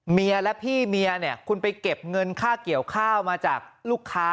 เมียและพี่เมียเนี่ยคุณไปเก็บเงินค่าเกี่ยวข้าวมาจากลูกค้า